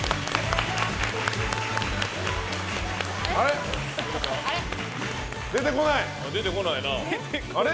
あれ、出てこない。